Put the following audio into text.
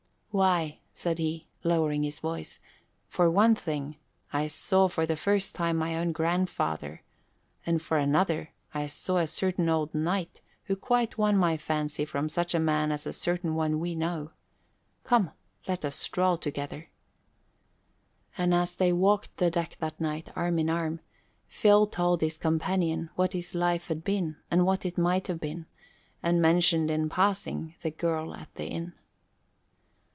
"Why," said he, lowering his voice, "for one thing, I saw for the first time my own grandfather; and for another, I saw a certain old knight who quite won my fancy from such a man as a certain one we know. Come, let us stroll together." And as they walked the deck that night, arm in arm, Phil told his companion what his life had been and what it might have been, and mentioned, in passing, the girl at the inn.